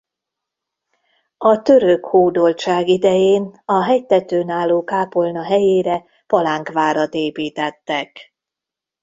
A török hódoltság idején a hegytetőn álló kápolna helyére palánkvárat építettek.